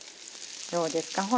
どうですか？